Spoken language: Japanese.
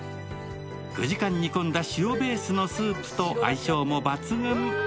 ９時間煮込んだ塩ベースのスープと相性も抜群。